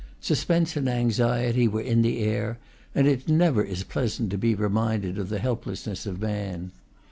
Suspense and anxiety were in the air, and it never is pleasant to be reminded of the helplessness of man.